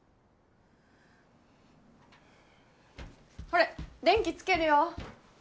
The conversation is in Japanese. ほれ電気つけるよ。